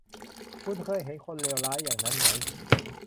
คุณเคยเห็นคนเลวร้ายอย่างนั้นไหม